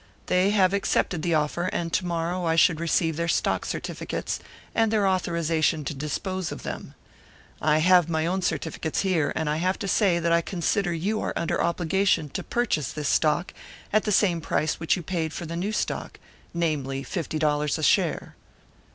They have accepted the offer, and to morrow I should receive their stock certificates, and their authorisation to dispose of them. I have my own certificates here; and I have to say that I consider you are under obligation to purchase this stock at the same price which you paid for the new stock; namely, fifty dollars a share."